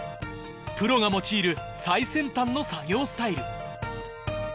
プロが用いる最先端の作業スタイル